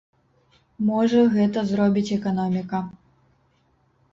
Можа, гэта зробіць эканоміка.